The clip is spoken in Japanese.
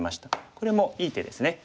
これもいい手ですね。